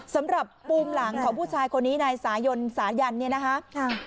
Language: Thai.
สำหรับปูมหลังของผู้ชายคนนี้นายสายนสายันเนี่ยนะคะ